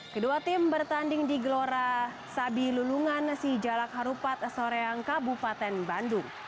kedua tim bertanding di gelora sabi lulungan si jalak harupat soreang kabupaten bandung